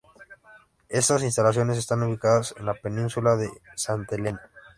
Estas instalaciones están ubicadas en la Península de Santa Elena.